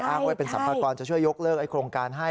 อ้างว่าเป็นสัมภากรจะช่วยยกเลิกโครงการให้